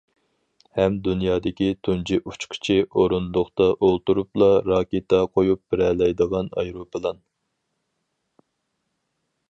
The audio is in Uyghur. ھەم دۇنيادىكى تۇنجى ئۇچقۇچى ئورۇندۇقتا ئولتۇرۇپلا راكېتا قويۇپ بېرەلەيدىغان ئايروپىلان.